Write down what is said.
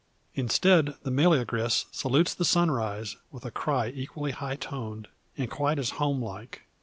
Instead, the meleagris salutes the sunrise with a cry equally high toned, and quite as home like.